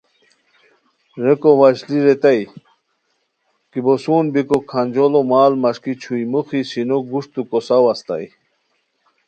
ریکو وشلی ریتائے کی بوسون بیکو کھانجوڑو ماڑ مݰکیچھوئی موخی سینو گوݯتو کوساؤ استائے